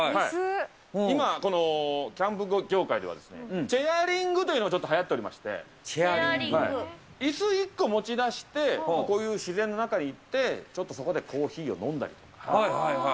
今、このキャンプ業界ではチェアリングというのがちょっとはやっておチェアリング？いす一個持ち出して、こういう自然の中に行って、ちょっとそこでコーヒーを飲んだりとか。